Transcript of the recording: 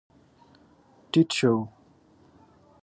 ټيټ شو.